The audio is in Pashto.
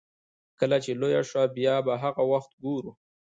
کله چې لويه شوه بيا به هغه وخت ګورو.